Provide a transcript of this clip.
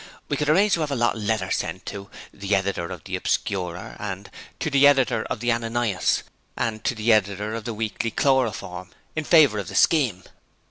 We could arrange to 'ave a lot of letters sent "To the Editor of the Obscurer" and "To the Editor of the Ananias," and "To the Editor of the Weekly Chloroform" in favour of the scheme.'